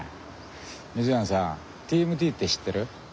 溝やんさ「ＴＭＴ」って知ってる？